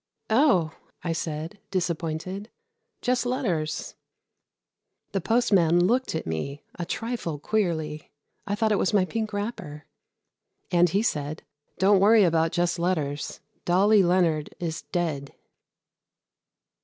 "Oh!" I said, disappointed, "just letters." The postman looked at me a trifle queerly I thought it was my pink wrapper, and he said, "Don't worry about 'just letters'; Dolly Leonard is dead!"